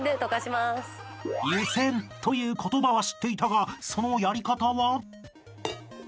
［湯煎という言葉は知っていたがそのやり方は？］